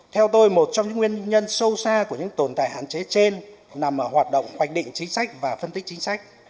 theo tôi một trong những nguyên nhân sâu xa của những tồn tại hạn chế trên nằm ở hoạt động hoạch định chính sách và phân tích chính sách